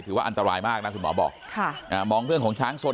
ว่าอันตรายมากนะคุณหมอบอกค่ะอ่ามองเรื่องของช้างสน